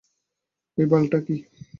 এই বাল টা কি?